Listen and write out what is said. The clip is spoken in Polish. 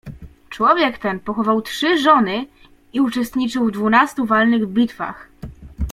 "Człowiek ten pochował trzy żony i uczestniczył w dwunastu walnych bitwach."